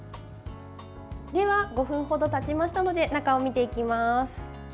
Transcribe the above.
では、５分程たちましたので中を見ていきます。